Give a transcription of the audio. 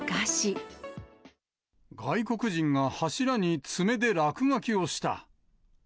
外国人が柱に爪で落書きをした。